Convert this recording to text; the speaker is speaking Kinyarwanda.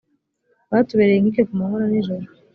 batubereye inkike ku manywa na nijoro.